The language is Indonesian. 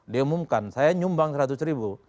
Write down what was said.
dia umumkan saya nyumbang seratus ribu